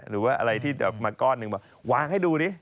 หรืออะไรที่มาก้อนนึงวางให้ดูดิ